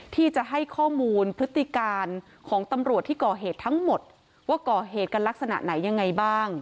ที่จะให้ข้อมูลพฤติการของตำรวจที่ก่อเหตุทั้งหมดว่าก่อเหตุกันลักษณะไหนยังไงบ้าง